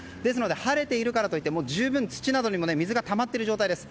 晴れているからといっても十分に土などに水がたまっている状態です。